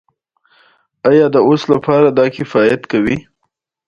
بل دا چې هوټل باید د مسلمانانو وي.